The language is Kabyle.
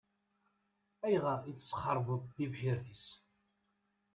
Ayɣer i tesxeṛbeḍ tibḥirt-is?